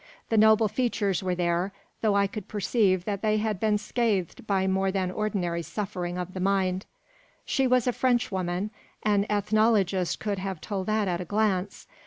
The noble features were there, though I could perceive that they had been scathed by more than ordinary suffering of the mind. She was a Frenchwoman: an ethnologist could have told that at a glance.